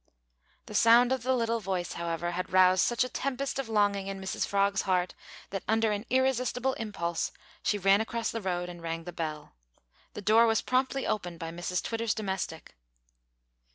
The sound of the little voice, however, had roused such a tempest of longing in Mrs Frog's heart, that, under an irresistible impulse, she ran across the road and rang the bell. The door was promptly opened by Mrs Twitter's domestic.